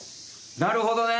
なるほどね！